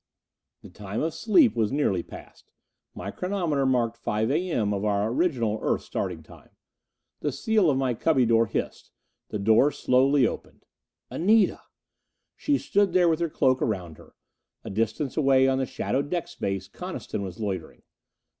The time of sleep was nearly passed. My chronometer marked five A. M. of our original Earth starting time. The seal of my cubby door hissed. The door slowly, opened. Anita! She stood there with her cloak around her. A distance away on the shadowed deck space Coniston was loitering.